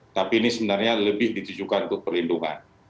tapi ini sebenarnya lebih ditujukan untuk perlindungan